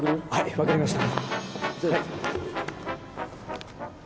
分かりました。